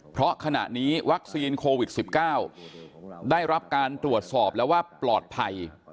เพราะขณะนี้วัคซีนโควิด๑๙ได้รับการตรวจสอบแล้วว่าปลอดภัย